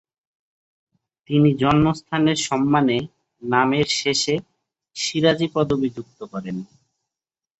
তিনি জন্মস্থানের সম্মানে নামের শেষের 'সিরাজী' পদবী যুক্ত করেন।